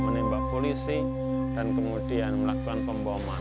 menembak polisi dan kemudian melakukan pemboman